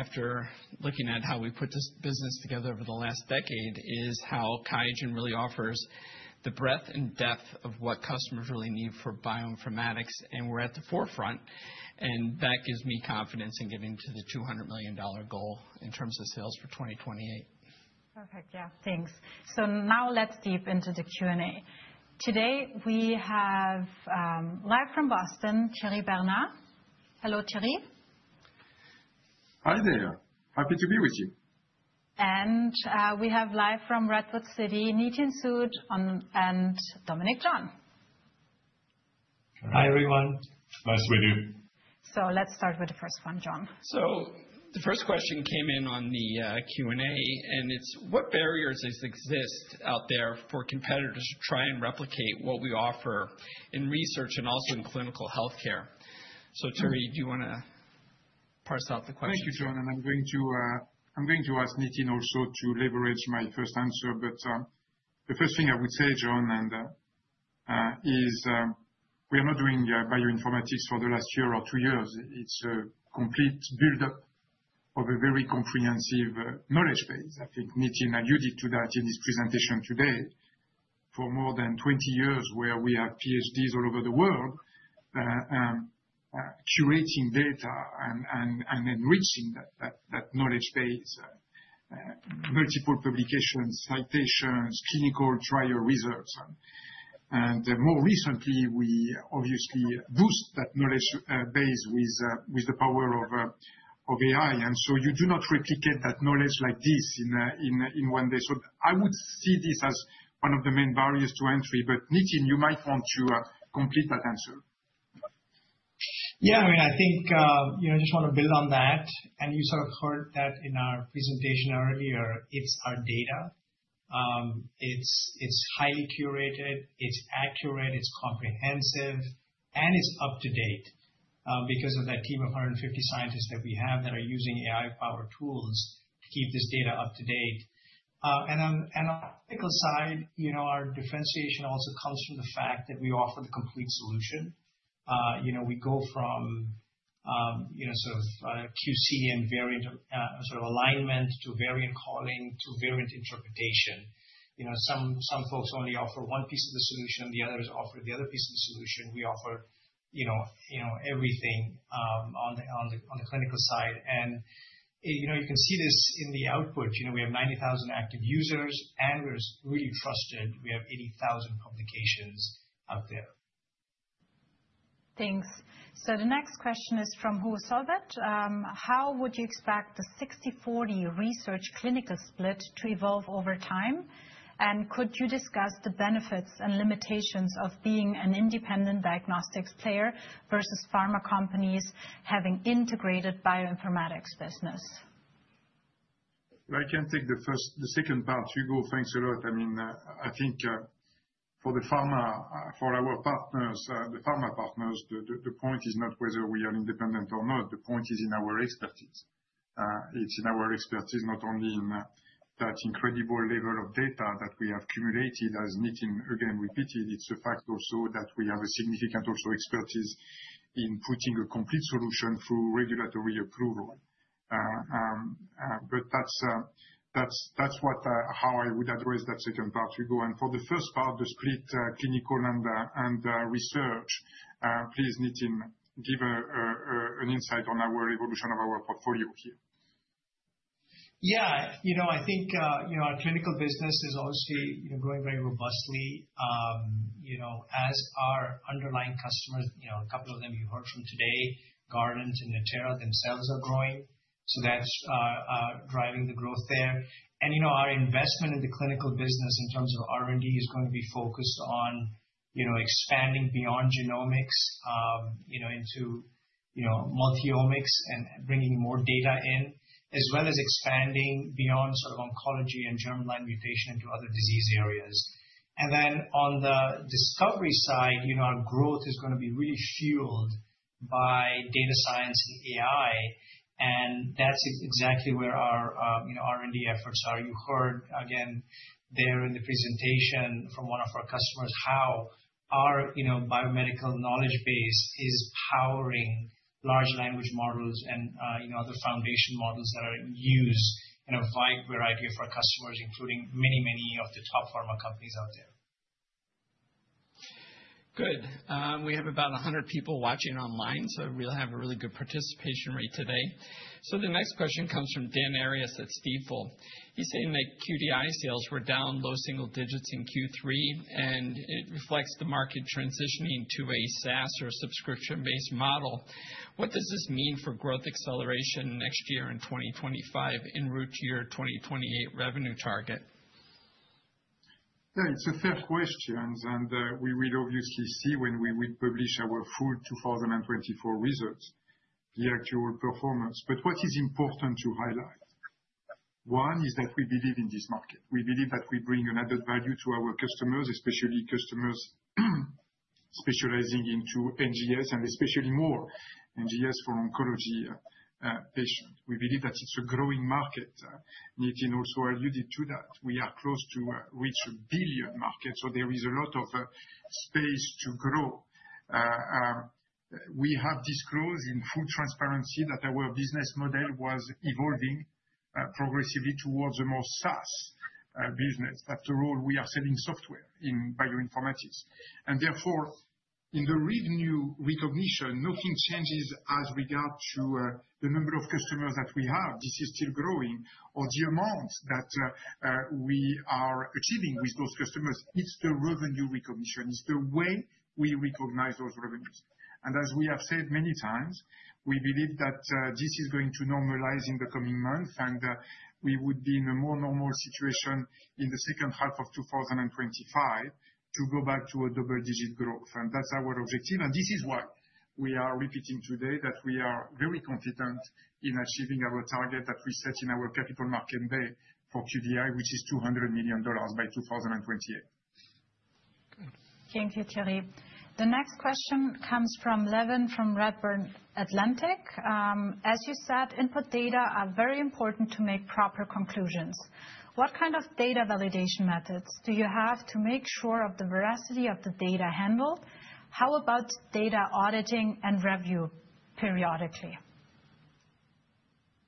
after looking at how we put this business together over the last decade is how QIAGEN really offers the breadth and depth of what customers really need for bioinformatics. And we're at the forefront. And that gives me confidence in getting to the $200 million goal in terms of sales for 2028. Perfect. Yeah, thanks. So now let's dive deep into the Q&A. Today we have live from Boston, Thierry Bernard. Hello, Thierry. Hi there. Happy to be with you. We have live from Redwood City, Nitin Sood and Dominic John. Hi everyone. Nice to meet you. So let's start with the first one, John. The first question came in on the Q&A, and it's what barriers exist out there for competitors to try and replicate what we offer in research and also in clinical healthcare? Thierry, do you want to parse out the question? Thank you, John. And I'm going to ask Nitin also to leverage my first answer. But the first thing I would say, John, is we are not doing bioinformatics for the last year or two years. It's a complete buildup of a very comprehensive knowledge base. I think Nitin alluded to that in his presentation today. For more than 20 years, where we have PhDs all over the world curating data and enriching that knowledge base, multiple publications, citations, clinical trial results. And more recently, we obviously boost that knowledge base with the power of AI. And so you do not replicate that knowledge like this in one day. So I would see this as one of the main barriers to entry. But Nitin, you might want to complete that answer. Yeah, I mean, I think I just want to build on that. And you sort of heard that in our presentation earlier. It's our data. It's highly curated. It's accurate. It's comprehensive. And it's up to date because of that team of 150 scientists that we have that are using AI-powered tools to keep this data up to date. And on the clinical side, our differentiation also comes from the fact that we offer the complete solution. We go from sort of QC and variant sort of alignment to variant calling to variant interpretation. Some folks only offer one piece of the solution. The others offer the other piece of the solution. We offer everything on the clinical side. And you can see this in the output. We have 90,000 active users, and we're really trusted. We have 80,000 publications out there. Thanks. So the next question is from Hugo Solvet. How would you expect the 60/40 research-clinical split to evolve over time? And could you discuss the benefits and limitations of being an independent diagnostics player versus pharma companies having integrated bioinformatics business? I can take the second part. Hugo, thanks a lot. I mean, I think for the pharma, for our partners, the pharma partners, the point is not whether we are independent or not. The point is in our expertise. It's in our expertise, not only in that incredible level of data that we have accumulated, as Nitin again repeated. It's a fact also that we have a significant expertise in putting a complete solution through regulatory approval. But that's how I would address that second part, Hugo. And for the first part, the split clinical and research, please, Nitin, give an insight on our evolution of our portfolio here. Yeah, I think our clinical business is obviously growing very robustly as our underlying customers, a couple of them you heard from today, Guardant and Natera themselves are growing. So that's driving the growth there. And our investment in the clinical business in terms of R&D is going to be focused on expanding beyond genomics into multi-omics and bringing more data in, as well as expanding beyond sort of oncology and germline mutation into other disease areas. And then on the discovery side, our growth is going to be really fueled by data science and AI. And that's exactly where our R&D efforts are. You heard again there in the presentation from one of our customers how our biomedical knowledge base is powering large language models and other foundation models that are used in a wide variety of our customers, including many, many of the top pharma companies out there. Good. We have about 100 people watching online, so we have a really good participation rate today. So the next question comes from Dan Arias at Stifel. He's saying that QDI sales were down low single digits in Q3, and it reflects the market transitioning to a SaaS or a subscription-based model. What does this mean for growth acceleration next year in 2025 en route to your 2028 revenue target? Yeah, it's a fair question, and we will obviously see when we would publish our full 2024 results, the actual performance, but what is important to highlight? One is that we believe in this market. We believe that we bring an added value to our customers, especially customers specializing into NGS and especially more NGS for oncology patients. We believe that it's a growing market. Nitin also alluded to that. We are close to reach 1 billion market, so there is a lot of space to grow. We have disclosed in full transparency that our business model was evolving progressively towards a more SaaS-business. After all, we are selling software in bioinformatics. And therefore, in the revenue recognition, nothing changes as regards to the number of customers that we have. This is still growing, or the amount that we are achieving with those customers, it's the revenue recognition. It's the way we recognize those revenues. And as we have said many times, we believe that this is going to normalize in the coming months, and we would be in a more normal situation in the second half of 2025 to go back to a double-digit growth. And that's our objective. And this is why we are repeating today that we are very confident in achieving our target that we set in our Capital Market Day for QDI, which is $200 million by 2028. Thank you, Thierry. The next question comes from Levine from Redburn Atlantic. As you said, input data are very important to make proper conclusions. What kind of data validation methods do you have to make sure of the veracity of the data handled? How about data auditing and review periodically?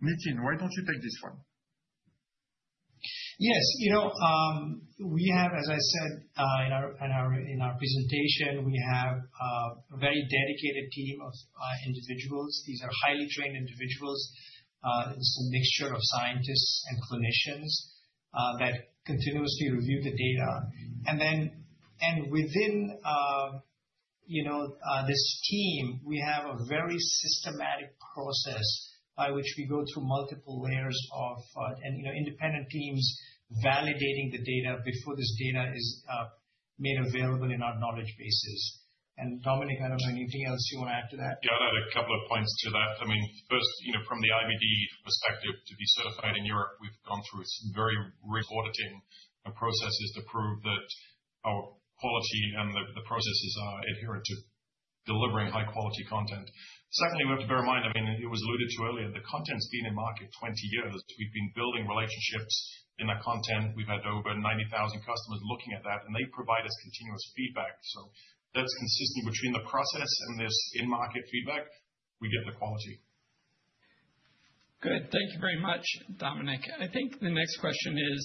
Nitin, why don't you take this one? Yes. You know, we have, as I said in our presentation, we have a very dedicated team of individuals. These are highly trained individuals. It's a mixture of scientists and clinicians that continuously review the data. And within this team, we have a very systematic process by which we go through multiple layers of independent teams validating the data before this data is made available in our knowledge bases. And Dominic, I don't know anything else you want to add to that? Yeah, I've had a couple of points to that. I mean, first, from the IVD perspective, to be certified in Europe, we've gone through some very rigorous auditing and processes to prove that our quality and the processes are adherent to delivering high-quality content. Secondly, we have to bear in mind, I mean, it was alluded to earlier, the content's been in market 20 years. We've been building relationships in our content. We've had over 90,000 customers looking at that, and they provide us continuous feedback. So that's consistent between the process and this in-market feedback. We get the quality. Good. Thank you very much, Dominic. I think the next question is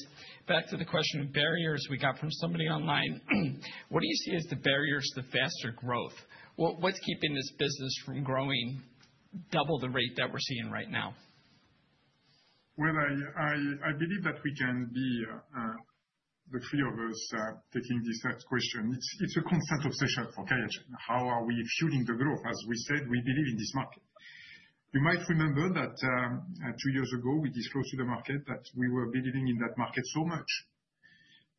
back to the question of barriers we got from somebody online. What do you see as the barriers to faster growth? What's keeping this business from growing double the rate that we're seeing right now? I believe that we can be the three of us taking this question. It's a constant obsession for QIAGEN. How are we fueling the growth? As we said, we believe in this market. You might remember that two years ago, we disclosed to the market that we were believing in that market so much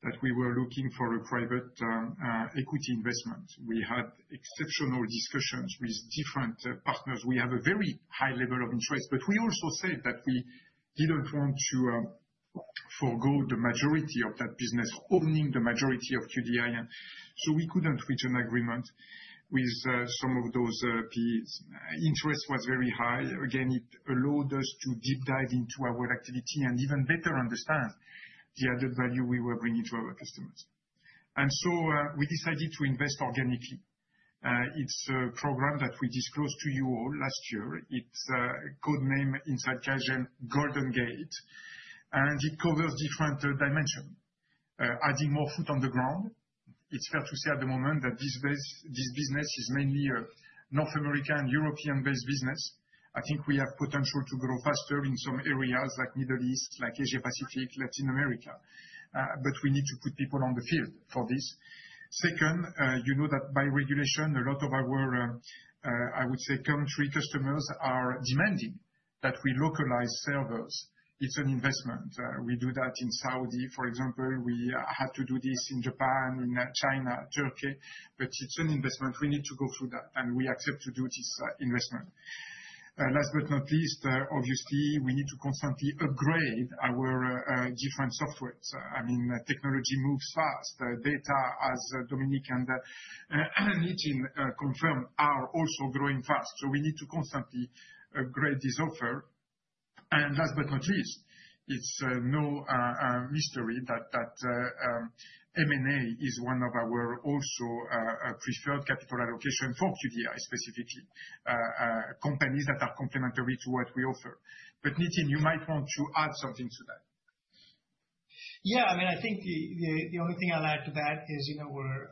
that we were looking for a private equity investment. We had exceptional discussions with different partners. We have a very high level of interest, but we also said that we didn't want to forgo the majority of that business, owning the majority of QDI. And so we couldn't reach an agreement with some of those interests that were very high. Again, it allowed us to deep dive into our activity and even better understand the added value we were bringing to our customers. And so we decided to invest organically. It's a program that we disclosed to you all last year. It's code name inside QIAGEN, Golden Gate, and it covers different dimensions, adding more feet on the ground. It's fair to say at the moment that this business is mainly a North American and European-based business. I think we have potential to grow faster in some areas like the Middle East, like Asia-Pacific, Latin America, but we need to put people in the field for this. Second, you know that by regulation, a lot of our, I would say, country customers are demanding that we localize servers. It's an investment. We do that in Saudi, for example. We had to do this in Japan, in China, Turkey, but it's an investment. We need to go through that, and we accept to do this investment. Last but not least, obviously, we need to constantly upgrade our different software. I mean, technology moves fast. Data, as Dominic and Nitin confirmed, are also growing fast. So we need to constantly upgrade this offer. And last but not least, it's no mystery that M&A is one of our also preferred capital allocations for QDI specifically, companies that are complementary to what we offer. But Nitin, you might want to add something to that. Yeah, I mean, I think the only thing I'll add to that is we're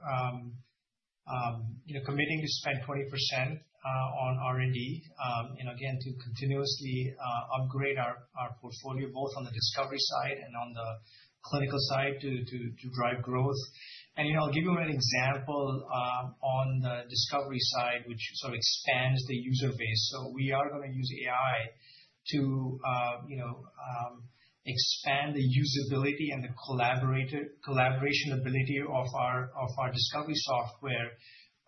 committing to spend 20% on R&D and again, to continuously upgrade our portfolio, both on the discovery side and on the clinical side to drive growth, and I'll give you an example on the discovery side, which sort of expands the user base, so we are going to use AI to expand the usability and the collaboration ability of our discovery software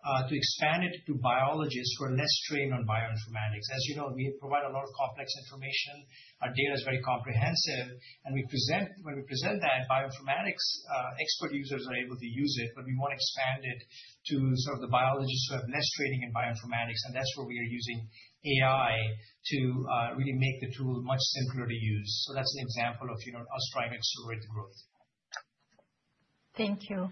to expand it to biologists who are less trained on bioinformatics. As you know, we provide a lot of complex information. Our data is very comprehensive, and when we present that, bioinformatics expert users are able to use it, but we want to expand it to sort of the biologists who have less training in bioinformatics, and that's where we are using AI to really make the tool much simpler to use. That's an example of us trying to accelerate the growth. Thank you.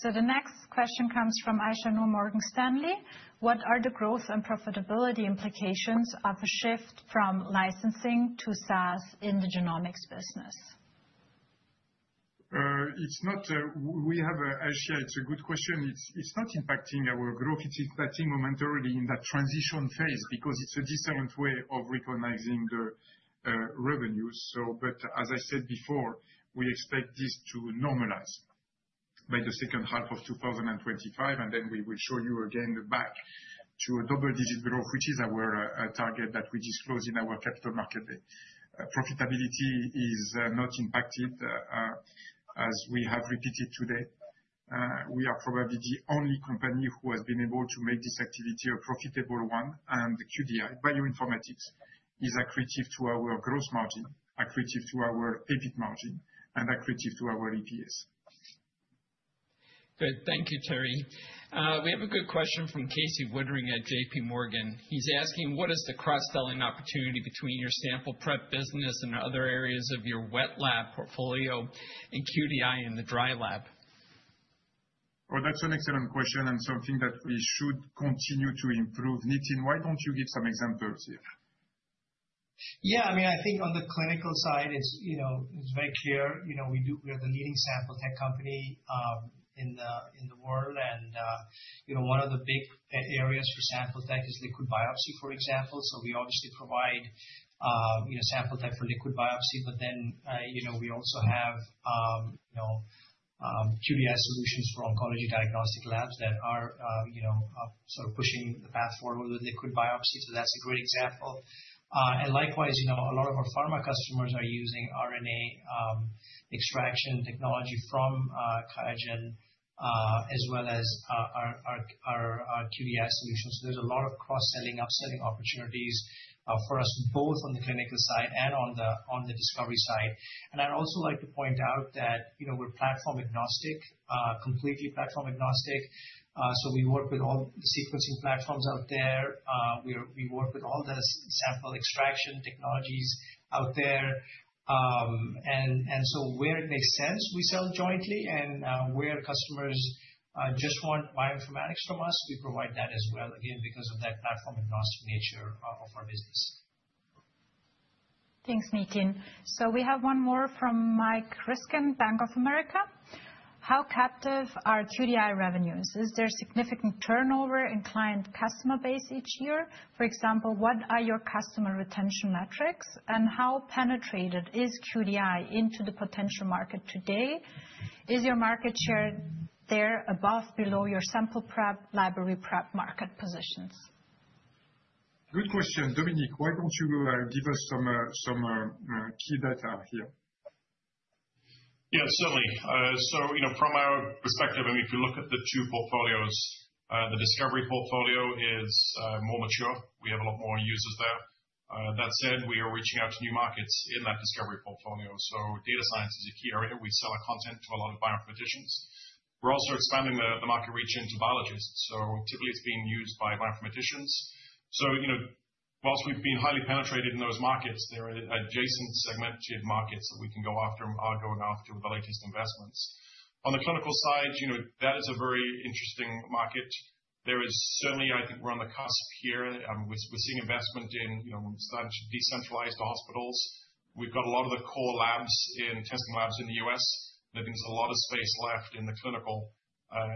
So the next question comes from Aisyah Noor, Morgan Stanley. What are the growth and profitability implications of a shift from licensing to SaaS in the genomics business? We have an Aisyah. It's a good question. It's not impacting our growth. It's impacting momentarily in that transition phase because it's a different way of recognizing the revenues. But as I said before, we expect this to normalize by the second half of 2025, and then we will show you again get back to a double-digit growth, which is our target that we disclosed in our Capital Markets Day. Profitability is not impacted, as we have repeated today. We are probably the only company who has been able to make this activity a profitable one, and QDI, bioinformatics, is accretive to our gross margin, accretive to our EBIT margin, and accretive to our EPS. Good. Thank you, Thierry. We have a good question from Casey Woodring at JPMorgan. He's asking, what is the cross-selling opportunity between your sample prep business and other areas of your wet lab portfolio and QDI in the dry lab? Oh, that's an excellent question and something that we should continue to improve. Nitin, why don't you give some examples here? Yeah, I mean, I think on the clinical side, it's very clear. We are the leading sample tech company in the world, and one of the big areas for sample tech is liquid biopsy, for example. So we obviously provide sample tech for liquid biopsy, but then we also have QDI solutions for oncology diagnostic labs that are sort of pushing the path forward with liquid biopsy, so that's a great example. And likewise, a lot of our pharma customers are using RNA extraction technology from QIAGEN, as well as our QDI solutions, so there's a lot of cross-selling, upselling opportunities for us, both on the clinical side and on the discovery side, and I'd also like to point out that we're platform agnostic, completely platform agnostic, so we work with all the sequencing platforms out there. We work with all the sample extraction technologies out there. And so where it makes sense, we sell jointly. And where customers just want bioinformatics from us, we provide that as well, again, because of that platform agnostic nature of our business. Thanks, Nitin. So we have one more from Mike Ryskin, Bank of America. How captive are QDI revenues? Is there significant turnover in client customer base each year? For example, what are your customer retention metrics? And how penetrated is QDI into the potential market today? Is your market share there above, below your sample prep, library prep market positions? Good question. Dominic, why don't you give us some key data here? Yeah, certainly. So from our perspective, I mean, if you look at the two portfolios, the discovery portfolio is more mature. We have a lot more users there. That said, we are reaching out to new markets in that discovery portfolio. So data science is a key area. We sell our content to a lot of bioinformaticians. We're also expanding the market reach into biologists. So typically, it's being used by bioinformaticians. So while we've been highly penetrated in those markets, there are adjacent segmented markets that we can go after, are going after with the latest investments. On the clinical side, that is a very interesting market. There is certainly, I think we're on the cusp here. We're seeing investment in starting to decentralize to hospitals. We've got a lot of the core labs in testing labs in the U.S. There's a lot of space left in the clinical.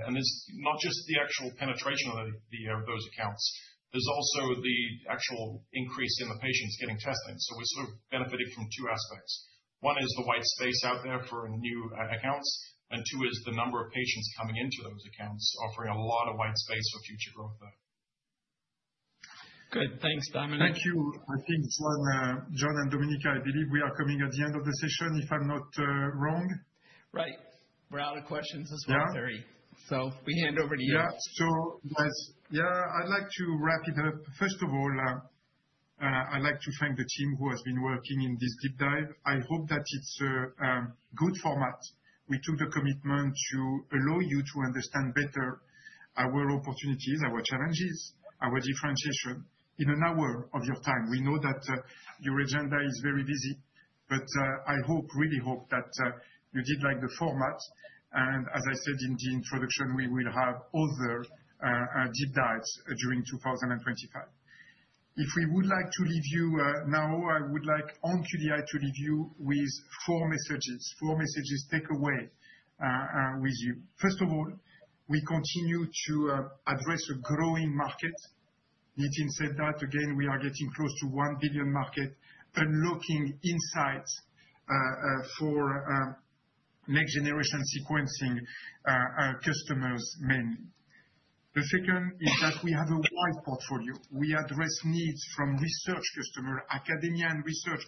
And it's not just the actual penetration of those accounts. There's also the actual increase in the patients getting testing. So we're sort of benefiting from two aspects. One is the white space out there for new accounts. And two is the number of patients coming into those accounts, offering a lot of white space for future growth there. Good. Thanks, Dominic. Thank you. I think John and Dominic, I believe we are coming to the end of the session, if I'm not wrong. Right. We're out of questions as well, Thierry. So we hand over to you. Yeah. So guys, yeah, I'd like to wrap it up. First of all, I'd like to thank the team who has been working in this deep dive. I hope that it's a good format. We took the commitment to allow you to understand better our opportunities, our challenges, our differentiation in an hour of your time. We know that your agenda is very busy. But I hope, really hope that you did like the format. And as I said in the introduction, we will have other deep dives during 2025. If we would like to leave you now, I would like on QDI to leave you with four messages, four messages take away with you. First of all, we continue to address a growing market. Nitin said that again, we are getting close to $1 billion market, unlocking insights for next-generation sequencing customers mainly. The second is that we have a wide portfolio. We address needs from research customers, academia and research,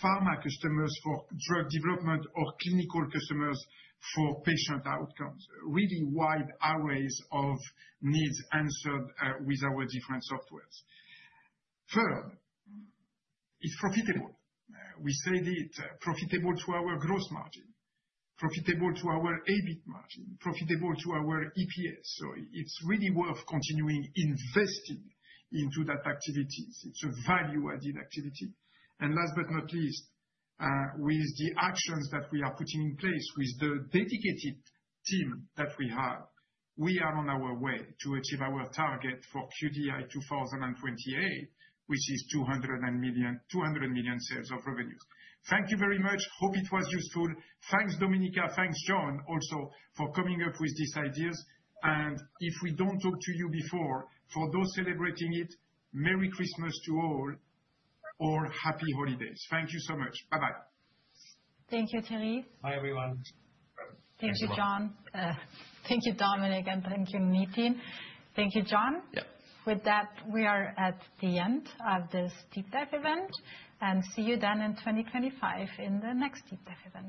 pharma customers for drug development, or clinical customers for patient outcomes. Really wide arrays of needs answered with our different softwares. Third, it's profitable. We said it, profitable to our gross margin, profitable to our EBIT margin, profitable to our EPS. So it's really worth continuing investing into that activity. It's a value-added activity. And last but not least, with the actions that we are putting in place with the dedicated team that we have, we are on our way to achieve our target for QDI 2028, which is 200 million sales of revenues. Thank you very much. Hope it was useful. Thanks, Dominic. Thanks, John, also for coming up with these ideas. And if we don't talk to you before, for those celebrating it, Merry Christmas to all, or Happy Holidays. Thank you so much. Bye-bye. Thank you, Thierry. Hi, everyone. Thank you, John. Thank you, Dominic. And thank you, Nitin. Thank you, John. Yeah. With that, we are at the end of this deep dive event, and see you then in 2025 in the next deep dive event.